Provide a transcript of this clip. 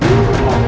hai ibu nah